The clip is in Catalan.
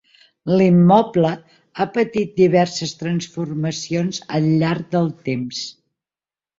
L'immoble ha patit diverses transformacions al llarg del temps.